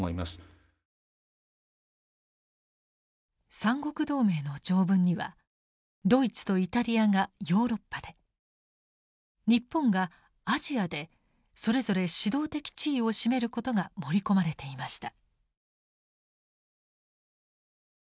三国同盟の条文にはドイツとイタリアがヨーロッパで日本がアジアでそれぞれ指導的地位を占めることが盛り込まれていました。